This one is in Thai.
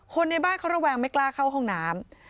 ในบ้านเขาระแวงไม่กล้าเข้าห้องน้ำ